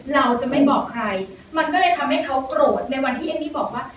เราจะไม่บอกใครมันก็เลยทำให้เขาโกรธในวันที่เอมมี่บอกว่า